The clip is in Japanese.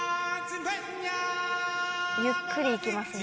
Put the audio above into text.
ゆっくりいきますね。